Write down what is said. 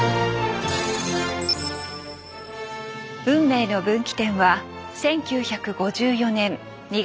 運命の分岐点は１９５４年２月１９日。